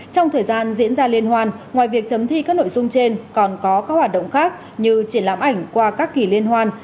trong thời gian diễn ra liên hoan ngoài việc chấm thi các nội dung trên còn có các hoạt động khác như triển lãm ảnh qua các kỳ liên hoan